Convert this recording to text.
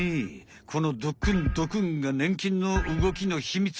このドクンドクンがねん菌の動きのひみつ。